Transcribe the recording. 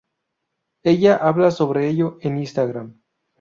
Ella habló sobre ello en Instagram.